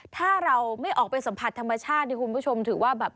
ถ้าเราไม่ออกไปสัมผัสธรรมชาติที่คุณผู้ชมถือว่าแบบ